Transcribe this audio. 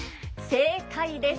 正解です。